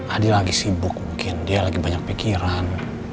adi lagi sibuk mungkin dia lagi banyak pikiran